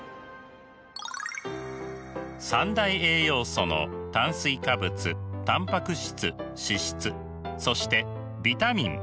三大栄養素の炭水化物タンパク質脂質そしてビタミンミネラル。